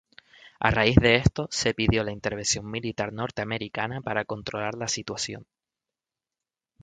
A raíz de esto, se pidió la intervención militar norteamericana para controlar la situación.